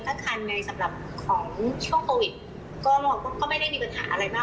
ตั้งแต่ในสำหรับของโชคก็มันก็ไม่ได้มีปันหาอะไรมาก